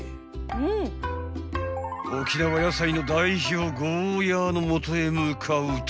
［沖縄野菜の代表ゴーヤーの元へ向かうと］